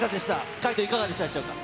海人、いかがでしたでしょうか。